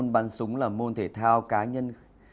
bắn súng là môn thể thao cá nhân